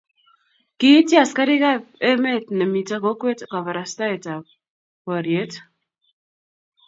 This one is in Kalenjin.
kiitchi askarikab emet ne mito kokwet kabarastaetab boriet